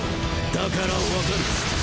だからわかる！